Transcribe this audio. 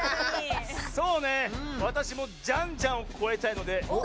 そうねわたしもジャンジャンをこえたいのでお！